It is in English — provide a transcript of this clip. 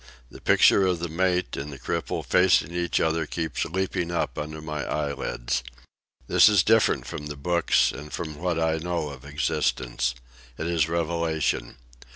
The picture of the mate and the cripple facing each other keeps leaping up under my eyelids. This is different from the books and from what I know of existence. It is revelation.